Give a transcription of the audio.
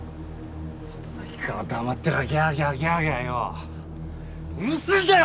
さっきから黙ってりゃギャーギャーギャーギャーようるせえんだよ